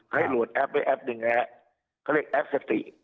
ให้โหลดแอปไว้แอปหนึ่งนะครับเขาเรียกแอปเซฟตี้